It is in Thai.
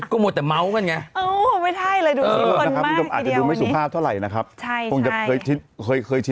ข้ามีแต่เมาส์กันไง